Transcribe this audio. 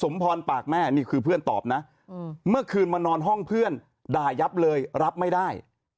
พรปากแม่นี่คือเพื่อนตอบนะเมื่อคืนมานอนห้องเพื่อนด่ายับเลยรับไม่ได้